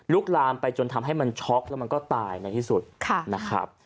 ลามไปจนทำให้มันช็อกแล้วมันก็ตายในที่สุดนะครับ